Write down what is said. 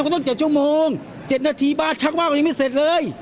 ก็ต้อง๗ชั่วโมง๗นาทีบ้านชักว่างมันยังไม่เสร็จเลย